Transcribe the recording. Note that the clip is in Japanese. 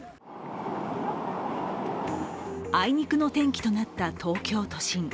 あいにくの天気となった東京都心。